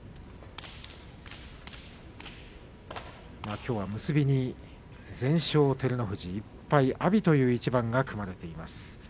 きょうは結びで全勝照ノ富士１敗阿炎という一番が組まれています。